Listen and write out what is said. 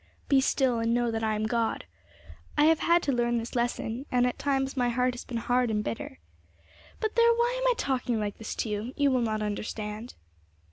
"Be still, and know that I am God." I have had to learn this lesson, and at times my heart has been hard and bitter. But there, why am I talking like this to you? You will not understand.'